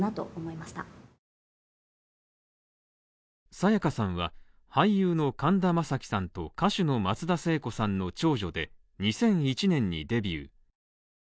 沙也加さんは、俳優の神田正輝さんと歌手の松田聖子さんの長女で、２００１年にデビュー。